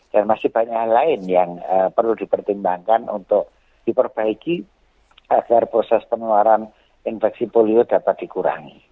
dan masih banyak hal lain yang perlu dipertimbangkan untuk diperbaiki agar proses penularan infeksi polio dapat dikurangi